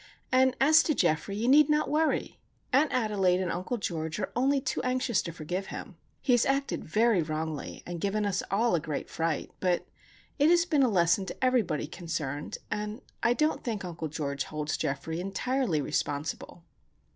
And as to Geoffrey, you need not worry. Aunt Adelaide and Uncle George are only too anxious to forgive him. He has acted very wrongly, and given us all a great fright; but it has been a lesson to everybody concerned, and I don't think Uncle George holds Geoffrey entirely responsible."